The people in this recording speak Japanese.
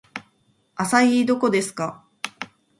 アサイーどこですか